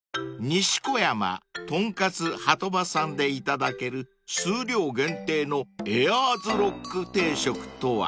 ［西小山とんかつ波止場さんで頂ける数量限定のエアーズロック定食とは？］